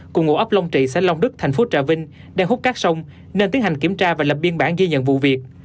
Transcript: cùng ngụ ấp long trị xã long đức thành phố trà vinh đang hút cát sông nên tiến hành kiểm tra và lập biên bản ghi nhận vụ việc